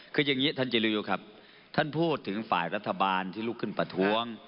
คืออย่างนี้ท่านจิริยุครับท่านพูดถึงฝ่ายรัฐบาลที่ลุกขึ้นประท้วง